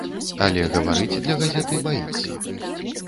Але гаварыць для газеты баіцца.